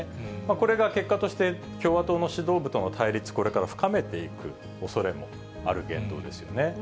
これが結果として、共和党の指導部との対立、これから深めていくおそれもある言動ですよね。